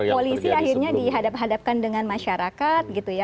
polisi akhirnya dihadap hadapkan dengan masyarakat